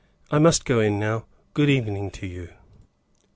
"I must go in now. Good evening to you."